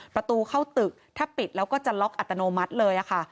ประตูเข้าตึกถ้าปิดแล้วก็จะล็อกอัตโนมัติเลยค่ะ